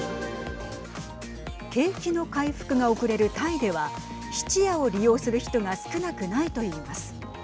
景気の回復が遅れるタイでは質屋を利用する人が少なくないといいます。